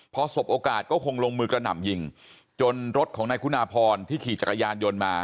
พอสบโอกาสก็คงลงมือกระหน่ำยิงจนรถของนายคุณาพรที่ขี่จักรยานยนต์มา